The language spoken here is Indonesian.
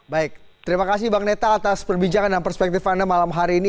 baik terima kasih bang neta atas perbincangan dan perspektif anda malam hari ini